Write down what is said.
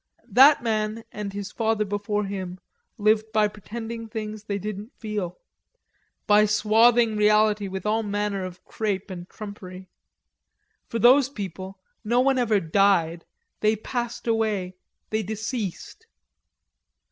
That man and his father before him lived by pretending things they didn't feel, by swathing reality with all manner of crepe and trumpery. For those people, no one ever died, they passed away, they deceased.